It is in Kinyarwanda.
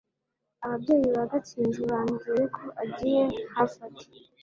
ababyeyi ba gatsinzi bambwiye ko agiye harvard